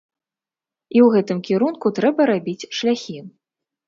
І ў гэтым кірунку трэба рабіць шляхі.